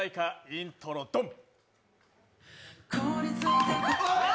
イントロ・ドン。